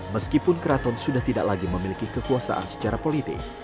meskipun keraton sudah tidak lagi memiliki kekuasaan secara politik